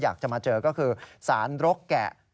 อยากจะมาเจอก็คือสารรกแกะ